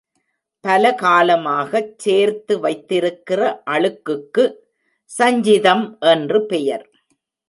பலகாலமாகச் சேர்த்து வைத்திருக்கிற அழுக்குக்கு சஞ்சிதம் என்று பெயர்.